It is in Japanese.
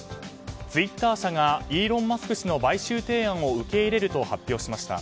ツイッター社がイーロン・マスク氏の買収提案を受け入れると発表しました。